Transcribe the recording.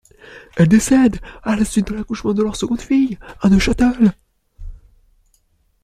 Elle décède, à la suite de l'accouchement de leur seconde fille, à Neuchâtel.